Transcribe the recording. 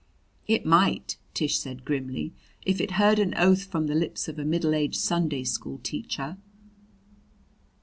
"It might," Tish said grimly, "if it heard an oath from the lips of a middle aged Sunday school teacher!"